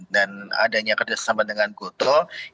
dan adanya kerjasama dengan gotoh